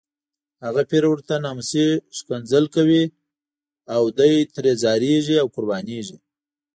هغه پیر ورته ناموسي ښکنځلې کوي او دی ترې ځاریږي او قربانیږي.